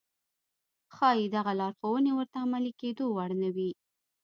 ښايي دغه لارښوونې ورته د عملي کېدو وړ نه وي.